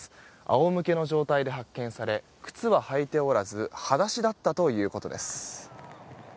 仰向けの状態で発見され靴は履いておらず裸足だったということです。